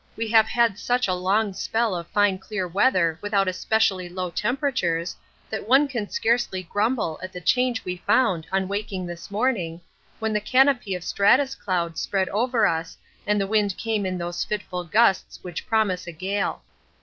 We have had such a long spell of fine clear weather without especially low temperatures that one can scarcely grumble at the change which we found on waking this morning, when the canopy of stratus cloud spread over us and the wind came in those fitful gusts which promise a gale.